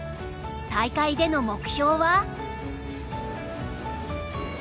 大会での目標は？